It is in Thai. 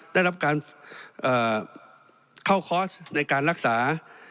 ได้รับการเข้าคอร์สในการรักษา